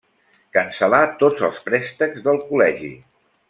Cancel·là tots els préstecs del col·legi.